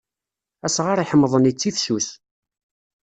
Asɣar iḥemḍen ittifsus.